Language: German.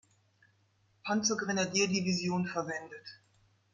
Panzergrenadier-Division verwendet.